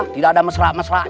tidak ada mesra mesra